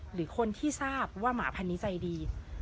หรือคนที่ทราบว่าหมาพันนี้ใจดี